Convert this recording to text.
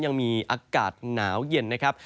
ยังมีอากาศหนาวเย็น